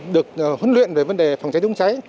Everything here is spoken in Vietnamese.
được huấn luyện về vấn đề phòng cháy chữa cháy